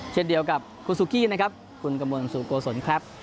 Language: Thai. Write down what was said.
เช็ดเดียวกับคุณสุกี้นะครับคุณกำลังสุโกสนครับ